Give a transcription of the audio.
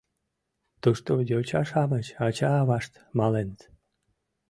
Тушто йоча-шамыч, ача-авашт маленыт.